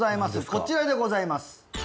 こちらでございます